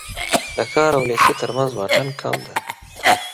د ښار او لېسې تر منځ واټن کم دی.